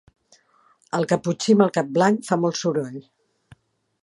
El caputxí amb el cap blanc fa molt soroll.